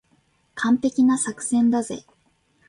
完璧な作戦だぜ。